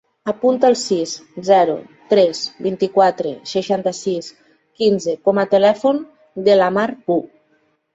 Apunta el sis, zero, tres, vint-i-quatre, seixanta-sis, quinze com a telèfon de la Mar Boo.